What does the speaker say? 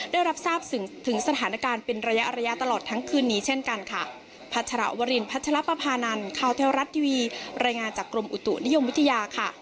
ได้รับทราบถึงสถานการณ์เป็นระยะอรัยะตลอดทั้งคืนนี้เช่นกันค่ะ